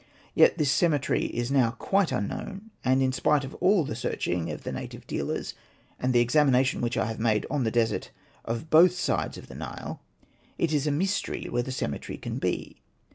Yet this cemetery is now quite unknown, and in spite of all the searching of the native dealers, and the examination which I have made on the desert of both sides of the Nile, it is a mystery where the cemetery can be.